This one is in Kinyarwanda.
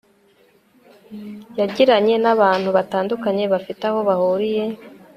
yagiranye n'abantu batandukanye bafite aho bahuriye